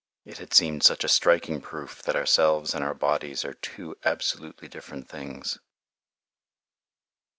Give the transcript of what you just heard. It had seemed such a striking proof that ourselves and our bodies are two absolutely different things.